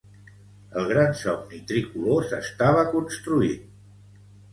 El gran somni tricolor s'estava construint.